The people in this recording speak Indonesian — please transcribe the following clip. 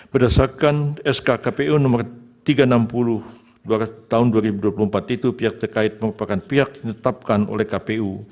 berdasarkan sk kpu nomor tiga ratus enam puluh tahun dua ribu dua puluh empat itu pihak terkait merupakan pihak ditetapkan oleh kpu